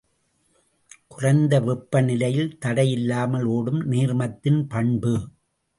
குறைந்த வெப்பநிலையில் தடையில்லாமல் ஒடும் நீர்மத்தின் பண்பு.